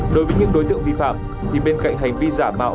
đối với những đối tượng vi phạm thì bên cạnh hành vi giả mạo